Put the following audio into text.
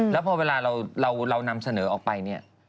แล้วพอเวลาเรานำเสนอออกไปเนี่ย